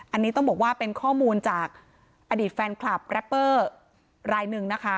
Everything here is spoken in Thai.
อันนี้ต้องบอกว่าเป็นข้อมูลจากอดีตแฟนคลับแรปเปอร์รายหนึ่งนะคะ